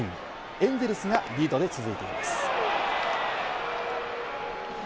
エンゼルスがリードで続いています。